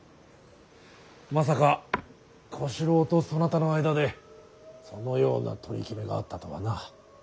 まさか小四郎とそなたの間でそのような取り決めがあったとはな。